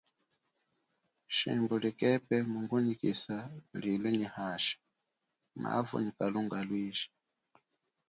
Shimbu likepe mungunyikisa lilu nyi hashi, mavu nyi kalunga lwiji.